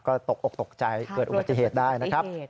ก็ตกอกตกใจเกิดอุบัติเหตุได้นะครับ